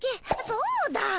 そうだ！